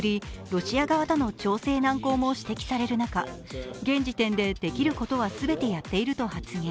ロシア側との調整難航も指摘される中現時点で、できることは全てやっていると発言。